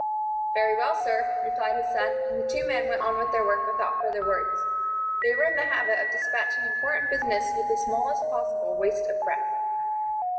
"Very well, sir," replied his son, and the two men went on with their work without further words. They were in the habit of despatching important business with the smallest possible waste of breath.